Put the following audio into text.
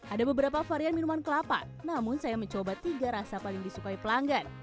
ada beberapa varian minuman kelapa namun saya mencoba tiga rasa paling disukai pelanggan